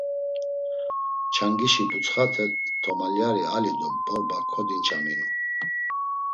Ç̌angişi butsxate, tomalyari ali do borba kodinçaminu.